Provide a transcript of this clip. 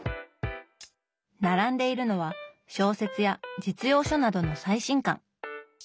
並んでいるのは小説や実用書などの最新刊。